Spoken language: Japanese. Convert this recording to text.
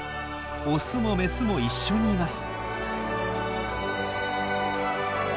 オスもメスも一緒にいます。